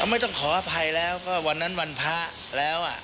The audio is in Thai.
ไม่ต้องขออภัยแล้วก็วันนั้นวันพระแล้ว